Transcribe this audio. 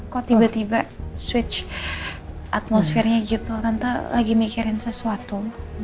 kok tiba tiba berubah atmosfernya gitu tante lagi mikirin sesuatu